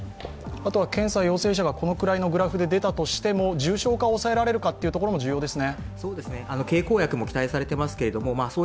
検査陽性者がこのくらいのグラフで出たとしても重症化を抑えられるかというのも重要ですね。